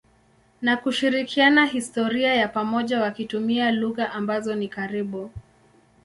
na kushirikiana historia ya pamoja wakitumia lugha ambazo ni karibu.